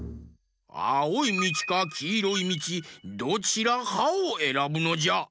あおいみちかきいろいみちどちらかをえらぶのじゃ。